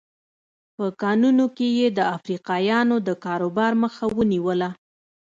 په کانونو کې یې د افریقایانو د کاروبار مخه ونیوله.